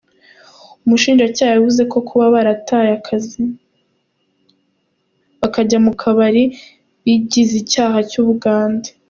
Umushinjacyaha yavuze ko kuba barataye akazi bakajya mu kabari bigize icyaha cy’ubugande.